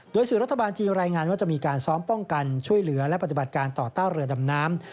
โดยสื่อรัฐบาลจีนรายงานว่าจะมีการซ้อมป้องกันช่วยเหลือและปฏิบัติการต่อต้าเรือดำน้ำ